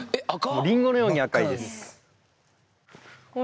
リンゴのように赤いです。